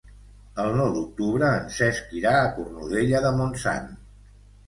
El nou d'octubre en Cesc irà a Cornudella de Montsant.